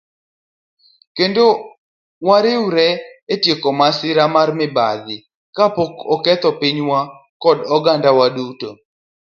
kendo wariwre e tieko masira mar mibadhi ka pok oketho pinywa kod ogandawa duto.